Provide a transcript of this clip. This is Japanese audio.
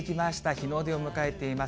日の出を迎えています。